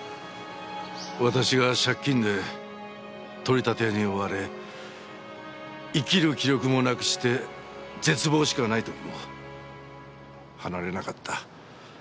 私が借金で取り立て屋に追われ生きる気力もなくして絶望しかない時も離れなかった。